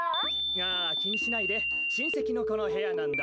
ああきにしないでしんせきのこのへやなんだ。